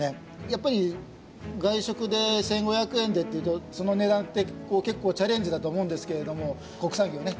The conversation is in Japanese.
やっぱり外食で１５００円でっていうとその値段って結構チャレンジだと思うんですけれども国産牛をね